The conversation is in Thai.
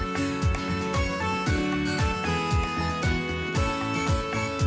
สวัสดีครับ